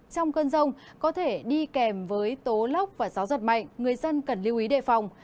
trong cơn rông có thể đi kèm với tố lốc và gió giật mạnh người dân cần lưu ý đề phòng